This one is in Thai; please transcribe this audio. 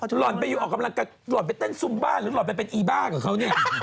หล่อนไปแต้นซุมบาหรือหล่อนไปเป็นอีบร์กับเขา